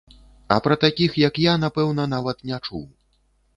А пра такіх, як я, напэўна, нават не чуў.